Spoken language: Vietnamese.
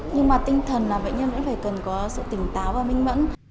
nhưng mà tinh thần là bệnh nhân vẫn phải cần có sự tỉnh táo và minh mẫn